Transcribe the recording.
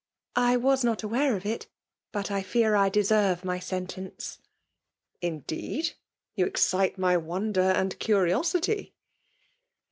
<' I was not aware of it; but I fear I deserve my sentence." '' Indeed I You excite my wonder and curiosity."